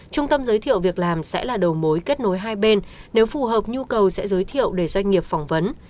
trung tâm giới thiệu việc làm sẽ là đầu mối kết nối hai bên nếu phù hợp nhu cầu sẽ giới thiệu để doanh nghiệp phỏng vấn